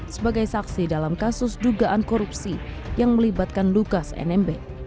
sebagai saksi dalam kasus dugaan korupsi yang melibatkan lukas nmb